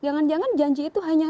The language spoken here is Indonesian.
jangan jangan janji itu hanya